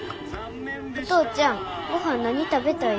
お父ちゃんごはん何食べたい？